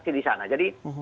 jadi ini ada perbedaan